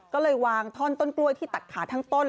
ก็เลยวางท่อนต้นกล้วยที่ตัดขาทั้งต้น